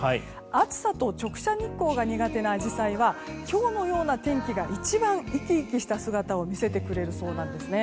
暑さと直射日光が苦手なアジサイは今日のような天気が一番生き生きした姿を見せてくれるそうです。